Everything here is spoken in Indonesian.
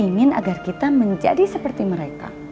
ingin agar kita menjadi seperti mereka